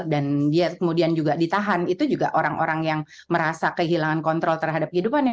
dan dia kemudian juga ditahan itu juga orang orang yang merasa kehilangan kontrol terhadap kehidupannya